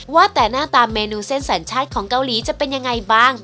ว่าแต่หน้าตาเมนูเส้นสัญชาติของเกาหลีจะเป็นยังไงบ้าง